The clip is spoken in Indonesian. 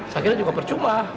saya kira juga percuma